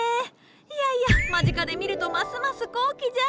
いやいや間近で見るとますます高貴じゃ。